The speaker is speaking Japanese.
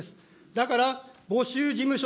だから募集事務所